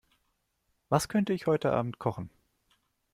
Was könnte ich heute Abend kochen?